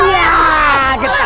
eh yang berhati hati